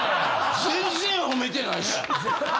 全然褒めてないし。